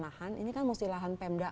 lahan ini kan mesti lahan pemda